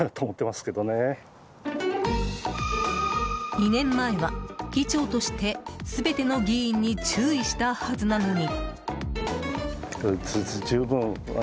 ２年前は議長として全ての議員に注意したはずなのに。